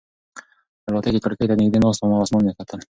د الوتکې کړکۍ ته نږدې ناست وم او اسمان مې کتل.